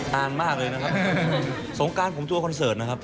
นานมากเลยนะครับสงการผมตัวคอนเสิร์ตนะครับ